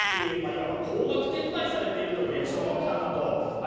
いわば高額転売されているという現象が起きたんだと。